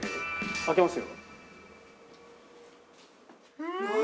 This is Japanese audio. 開けますよ。